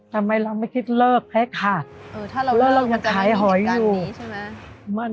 ทำไมเราไม่คิดเลิกแพ้ขาดเออถ้าเราเลิกแล้วเรายังถ่ายหอยอยู่ใช่ไหม